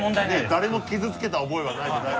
誰も傷つけた覚えはない。